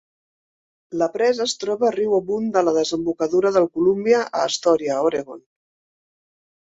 La presa es troba riu amunt de la desembocadura del Columbia a Astoria, Oregon.